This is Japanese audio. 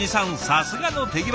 さすがの手際。